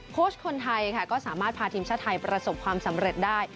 โค้ชคนไทยค่ะก็สามารถพาทีมชาติไทยประสบความสำเร็จได้